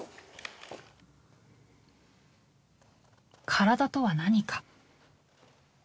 「体」とは何か？